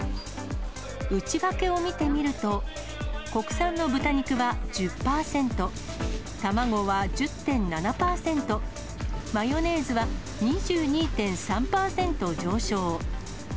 内訳を見てみると、国産の豚肉は１０％、たまごは１０．７％、マヨネーズは２２．３％上昇。